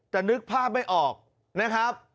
แต่นึกภาพไม่ออกนะครับ